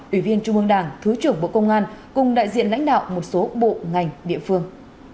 ủy viên trung ương đảng thứ trưởng bộ công an cùng đại diện lãnh đạo một số bộ ngành địa phương